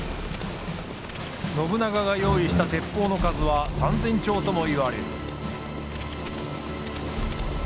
信長が用意した鉄砲の数は３，０００丁とも言われる。